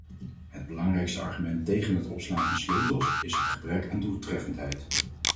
Het belangrijkste argument tegen het opslaan van sleutels is het gebrek aan doeltreffendheid.